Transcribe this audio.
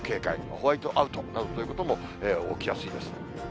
ホワイトアウトなどということも起きやすいです。